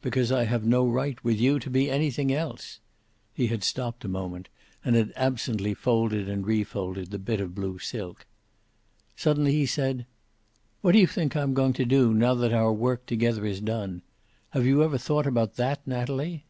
"Because I have no right, with you, to be anything else." He had stopped for a moment, and had absently folded and refolded the bit of blue silk. Suddenly he said, "What do you think I am going to do, now that our work together is done? Have you ever thought about that, Natalie?"